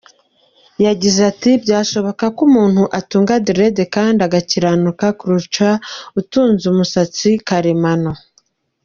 Yagize ati “Byashoboka ko umuntu atunga dread kandi agakiranuka kurusha utunze umusatsi karemano.